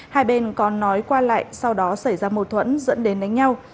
hai bên có nói qua lại sau đó xảy ra mâu thuẫn dẫn đến đánh nhau